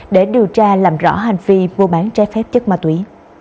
để điều tra làm rõ hành vi mua bán trái phép chất ma túy